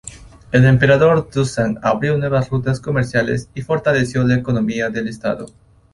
El emperador Dušan abrió nuevas rutas comerciales y fortaleció la economía del estado.